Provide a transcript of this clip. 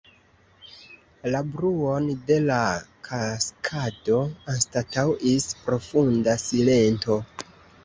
La bruon de la kaskado anstataŭis profunda silento.